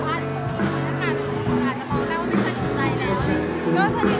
เพราะตั้งแต่งีขาดว่ายังไม่ได้คุยกันเท่าไร